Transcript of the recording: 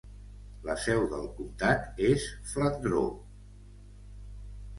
La seu del comtat és Flandreau.